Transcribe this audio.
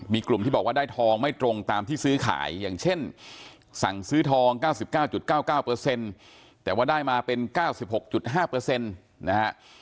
มีกลุ่มที่บอกว่าได้ทองไม่ตรงตามที่ซื้อขายอย่างเช่นสั่งซื้อทอง๙๙๙๙๙แต่ว่าได้มาเป็น๙๖๕นะฮะ